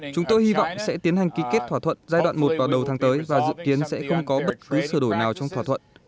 chúng tôi hy vọng sẽ tiến hành ký kết thỏa thuận giai đoạn một vào đầu tháng tới và dự kiến sẽ không có bất cứ sửa đổi nào trong thỏa thuận